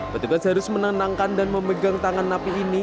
petugas harus menenangkan dan memegang tangan napi ini